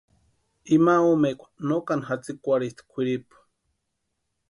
Ima omekwa no kani jatsïkwarhisti kwʼiripu.